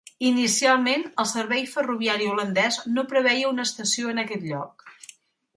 Inicialment, el servei ferroviari holandès no preveia una estació en aquest lloc.